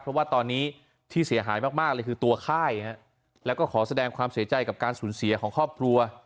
เพราะว่าตอนนี้ที่เสียหายมากเลยคือตัวค่ายแล้วก็ขอแสดงความเสียใจกับการสูญเสียของครอบครัว